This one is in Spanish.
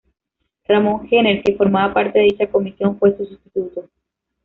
Ramon Gener, que formaba parte de dicha comisión, fue su sustituto.